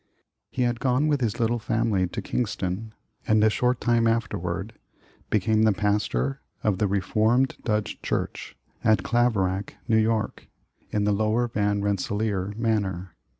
He had gone with his little family to Kingston, and a short time afterward became the pastor of the Re formed Dutch Church at Claverack, New York, in the Lower Van Rensselaer Manor.